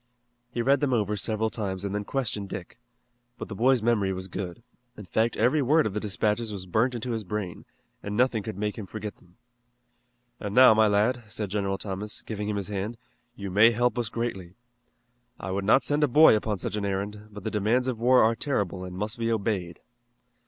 He read them over several times and then questioned Dick. But the boy's memory was good. In fact, every word of the dispatches was burnt into his brain, and nothing could make him forget them. "And now, my lad," said General Thomas, giving him his hand, "you may help us greatly. I would not send a boy upon such an errand, but the demands of war are terrible and must be obeyed."